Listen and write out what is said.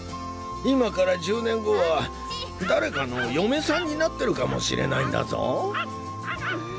今から１０年後は誰かの嫁さんになってるかもしれないんだぞ。